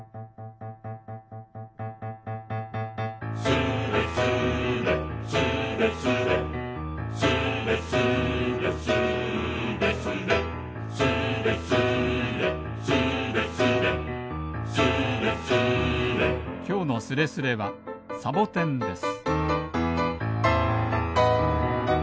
「スレスレスレスレ」「スレスレスーレスレ」「スレスレスレスレ」「スレスレ」「きょうのスレスレ」はサボテンです